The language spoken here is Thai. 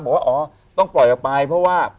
บอกว่าอ๋อต้องปล่อยออกไปเพราะว่า